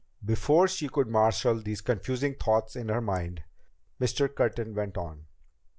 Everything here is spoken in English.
Before she could marshal these confusing thoughts in her mind, Mr. Curtin went on.